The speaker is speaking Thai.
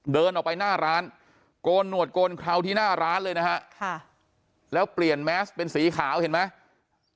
เดินออกไปหน้าร้านโกนหนวดโกนเคราวที่หน้าร้านเลยนะฮะแล้วเปลี่ยนแมสเป็นสีขาวเห็นไหม